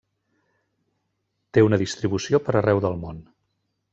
Té una distribució per arreu del món.